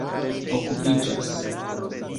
okupiĝas